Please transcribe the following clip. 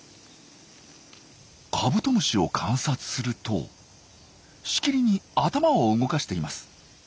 カブトムシを観察するとしきりに頭を動かしています。